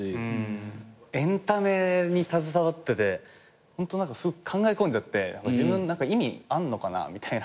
エンタメに携わってて考え込んじゃって自分何か意味あんのかなみたいな。